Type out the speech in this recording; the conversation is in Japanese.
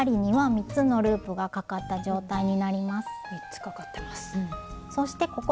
３つかかってます。